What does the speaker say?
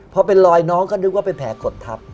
พอเป็นรอยน้องก็นึกว่าเป็นแผลกดทับ